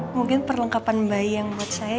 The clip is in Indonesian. mungkin perlengkapan bayi yang buat saya